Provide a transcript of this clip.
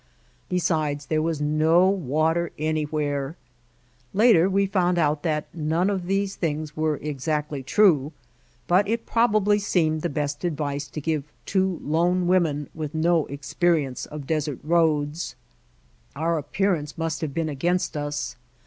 Besides, there was no water anj^where. Later we found out that none of these things were exactly true, but it probably seemed the How We Found Mojave best advice to give two lone women with no experience of desert roads. Our appearance must have been against us.